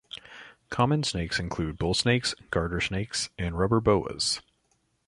Common snakes include bullsnakes, garter snakes, and rubber boas.